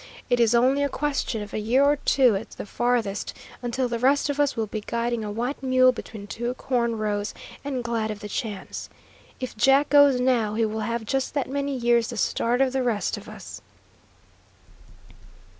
It is only a question of a year or two at the farthest until the rest of us will be guiding a white mule between two corn rows, and glad of the chance. If Jack goes now, he will have just that many years the start of the rest of us."